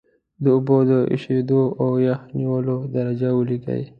د اوبو د ایشېدو او یخ نیولو درجه ولیکئ.